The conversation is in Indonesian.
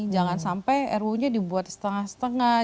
jangan sampai ruu nya dibuat setengah setengah